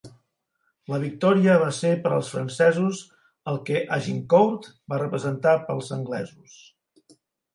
La victòria va ser per als francesos el que Agincourt va representar per als anglesos.